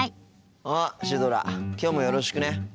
あっシュドラきょうもよろしくね。